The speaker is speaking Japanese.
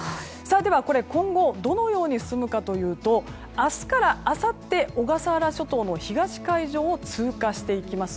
ではこれ今後どのように進むかというと明日からあさって、小笠原諸島の東海上を通過していきます。